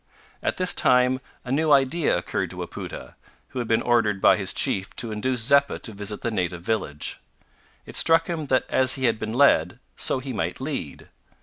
At this time a new idea occurred to Wapoota, who had been ordered by his chief to induce Zeppa to visit the native village. It struck him that as he had been led, so he might lead.